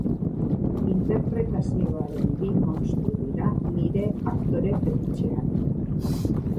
Interpretazioaren bi munstro dira, nire aktore fetixeak.